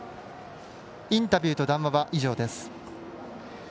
インタビューと談話は以上です。